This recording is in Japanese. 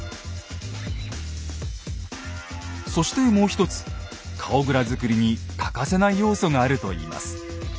そしてもう一つ顔グラ作りに欠かせない要素があるといいます。